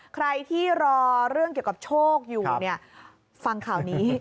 ใครที่รอเรื่องเกี่ยวกับโชคอยู่เนี่ยฟังข่าวนี้